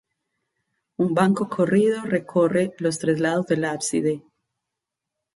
Un banco corrido recorre los tres lados del ábside.